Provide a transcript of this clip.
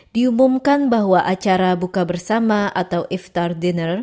diumumkan bahwa acara buka bersama atau iftar dinner